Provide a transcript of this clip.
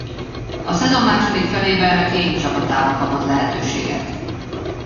A szezon második felében a Caen csapatában kapott lehetőséget.